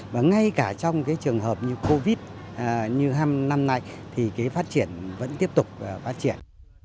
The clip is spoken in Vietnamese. và ngay cả trong cái trường hợp như covid như năm nay thì cái phát triển vẫn tiếp tục phát triển